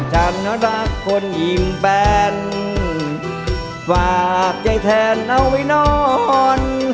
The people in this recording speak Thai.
จำน่ารักคนยิ้มแบนฝากใจแทนเอาไว้นอน